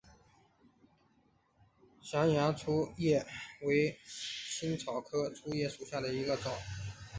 琼崖粗叶木为茜草科粗叶木属下的一个种。